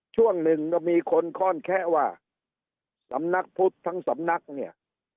ช่วงหนึ่งก็มีคนค่อนแคะว่าสำนักพุทธทั้งสำนักเนี่ย